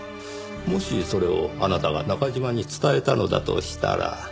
もしそれをあなたが中嶋に伝えたのだとしたら。